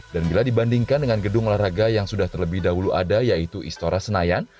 dan bila dibandingkan dengan gedung olahraga yang sudah terlebih dahulu ada yaitu istora senayan